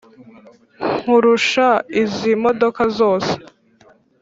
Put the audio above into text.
Nkurusha izi modoka zose